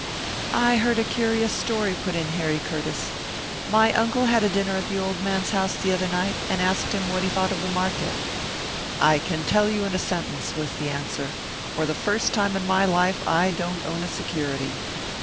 "I heard a curious story," put in Harry Curtiss. "My uncle had dinner at the old man's house the other night, and asked him what he thought of the market. 'I can tell you in a sentence,' was the answer. 'For the first time in my life I don't own a security.'"